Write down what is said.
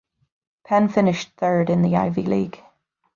Penn finished third in the Ivy League.